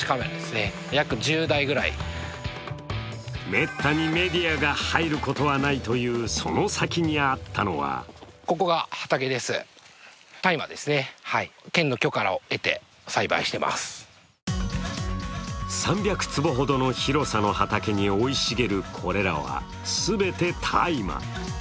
めったにメディアが入ることはないというその先にあったのは３００坪ほどの広さの畑に生い茂るこれらは全て大麻。